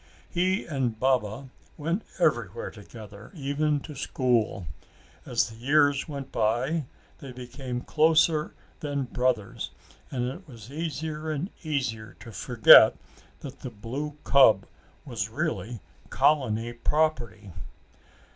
He and Baba went everywhere together, even to school. As the years went by they became closer than brothers and it was easier and easier to forget that the blue cub was really colony property.